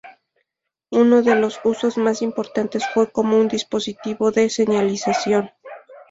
Uno de los usos más importantes fue como un dispositivo de señalización.